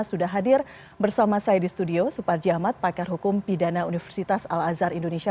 sudah hadir bersama saya di studio suparji ahmad pakar hukum pidana universitas al azhar indonesia